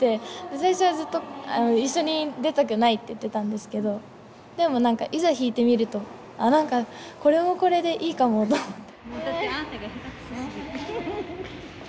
最初はずっと「一緒に出たくない」って言ってたんですけどでも何かいざ弾いてみると「あっ何かこれはこれでいいかも」と思って。